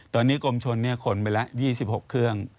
ตอนนี้กรมชนขนไปแล้ว๒๖เครื่อง